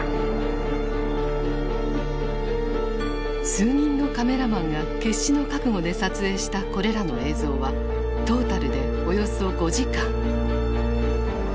数人のカメラマンが決死の覚悟で撮影したこれらの映像はトータルでおよそ５時間。